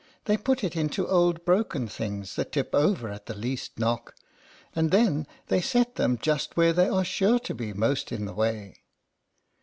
They put it into old broken things that tip over at the least knock, and then they set them just where they are sure to be most in the way.